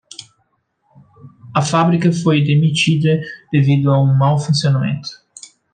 A fábrica foi demitida devido a um mau funcionamento.